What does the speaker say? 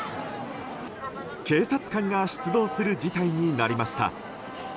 警察官が出動する事態になりました。